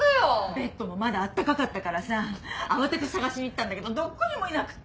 ベッドもまだ温かかったからさ慌てて捜しに行ったんだけどどこにもいなくて。